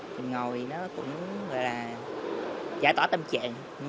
mình ngồi nó cũng gọi là giải tỏa tâm trạng